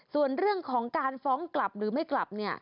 ส่วนเรื่องของการฟ้องกลับหรือไม่กลับเนี่ย